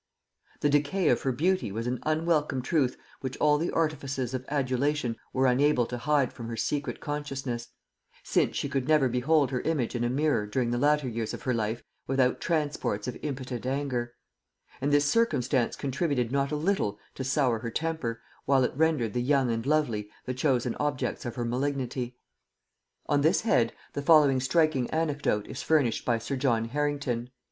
The decay of her beauty was an unwelcome truth which all the artifices of adulation were unable to hide from her secret consciousness; since she could never behold her image in a mirror, during the latter years of her life, without transports of impotent anger; and this circumstance contributed not a little to sour her temper, while it rendered the young and lovely the chosen objects of her malignity. On this head the following striking anecdote is furnished by sir John Harrington....